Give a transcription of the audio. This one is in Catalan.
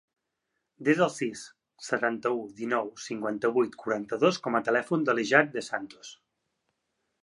Desa el sis, setanta-u, dinou, cinquanta-vuit, quaranta-dos com a telèfon de l'Ishaq De Santos.